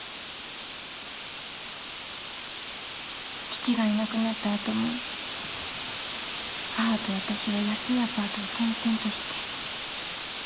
父がいなくなったあとも母と私は安いアパートを転々として。